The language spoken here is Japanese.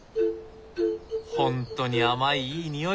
ほんとに甘いいい匂い。